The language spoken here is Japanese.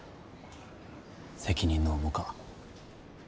責任の重か。